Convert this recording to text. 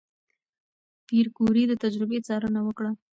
پېیر کوري د تجربې څارنه وکړه.